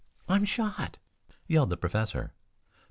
I'm shot!" yelled the professor.